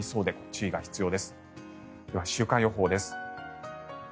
では、週間予報です。